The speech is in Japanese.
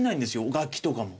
楽器とかも。